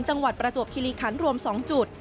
จังหวัดประจวบคิริขันรวม๒จุด